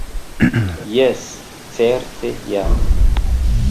Jes, certe ja!